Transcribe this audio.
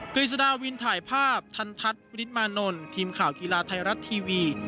กฤษฎาวินถ่ายภาพทันทัศน์วิริตมานนท์ทีมข่าวกีฬาไทยรัฐทีวี